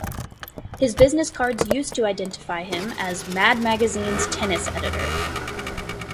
His business cards used to identify him as Mad Magazine's Tennis Editor.